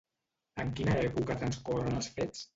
En quina època transcorren els fets?